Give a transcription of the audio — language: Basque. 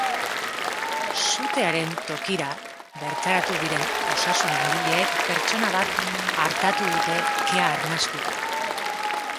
Sutearen tokira bertaratu diren osasun langileek pertsona bat artatu dute, kea arnastuta.